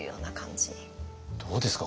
どうですか？